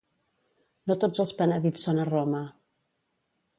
No tots els penedits són a Roma.